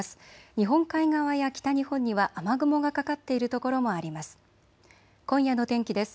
日本海側や北日本には雨雲がかかっている所もあります。